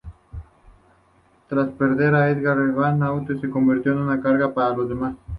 Tras perder a Edgar Evans, Oates se convirtió en una carga para los demás.